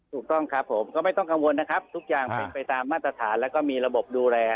ถูกต้องครับผมก็ไม่ต้องกังวลนะครับทุกอย่างเป็นไปตามมาตรฐานแล้วก็มีระบบดูแล